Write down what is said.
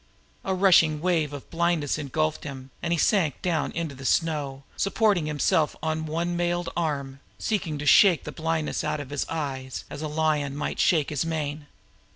A rushing wave of blindness engulfed him, and he sank down into the snow, supporting himself on one mailed arm, seeking to shake the blindness out of his eyes as a lion might shake his mane.